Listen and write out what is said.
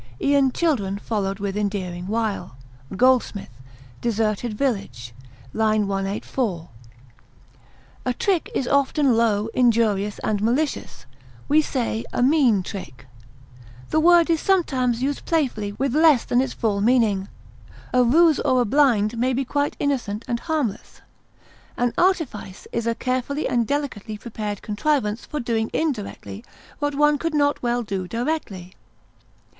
E'en children followed with endearing wile. GOLDSMITH Deserted Village, l. 184. A trick is often low, injurious, and malicious; we say a mean trick; the word is sometimes used playfully with less than its full meaning. A ruse or a blind may be quite innocent and harmless. An artifice is a carefully and delicately prepared contrivance for doing indirectly what one could not well do directly.